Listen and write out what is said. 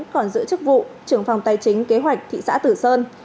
còn giữ chức vụ trưởng phòng tài chính kế hoạch thị xã tử sơn